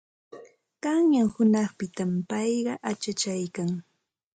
Qayna hunanpitam payqa achachaykan.